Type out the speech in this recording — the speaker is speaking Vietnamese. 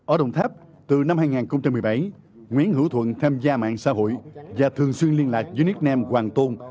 ở đồng tháp từ năm hai nghìn một mươi bảy nguyễn hữu thuận tham gia mạng xã hội và thường xuyên liên lạc với nick nam hoàng tôn